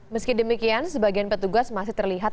meski demikian sebagian petugas masih terlihat